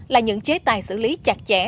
là những chế tài xử lý chặt chẽ